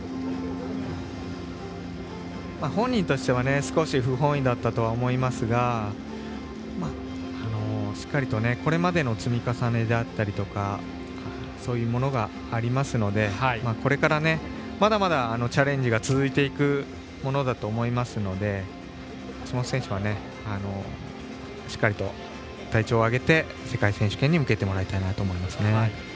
本人としては少し不本意だったと思いますがしっかりと、これまでの積み重ねであったりとかそういうものがありますのでこれから、まだまだチャレンジが続いていくものだと思いますので橋本選手はしっかりと体調を上げて世界選手権に向けてもらいたいなと思いますね。